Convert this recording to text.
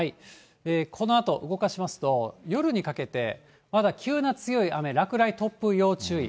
このあと動かしますと、夜にかけてまだ急な強い雨、落雷、突風、要注意。